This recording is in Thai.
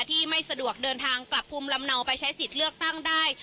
ที่ไม่สะดวกเดินทางกลับภูมิลำเนาไปใช้สิทธิ์เลือกตั้งได้